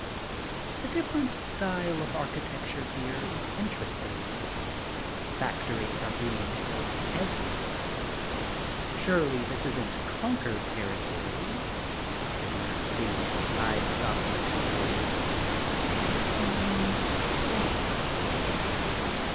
The different style of architecture here is interesting. Factories are being built everywhere. Surely this isn't conquered territory. I do not see much live stock in the fields. This seems strange.